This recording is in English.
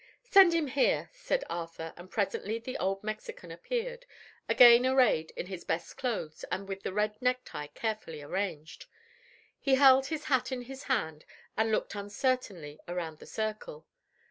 "Send him here," said Arthur, and presently the old Mexican appeared, again arrayed in his best clothes and with the red necktie carefully arranged. He held his hat in his hand and looked uncertainly around the circle.